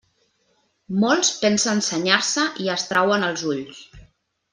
Molts pensen senyar-se i es trauen els ulls.